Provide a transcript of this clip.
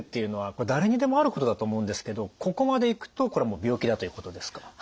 これ誰にでもあることだと思うんですけどここまでいくとこれはもう病気だということですか。